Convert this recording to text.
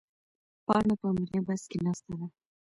پاڼه په ملي بس کې ناسته ده.